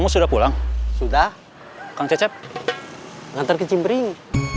kamu sudah pulang sudah kece cek nanti kecimpering